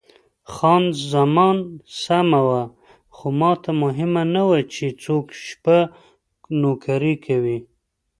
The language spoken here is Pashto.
خان زمان سمه وه، خو ماته مهمه نه وه چې څوک شپه نوکري کوي.